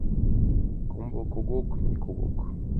Комбо когок — ме когок